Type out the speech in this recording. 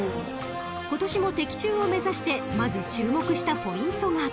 ［今年も的中を目指してまず注目したポイントが］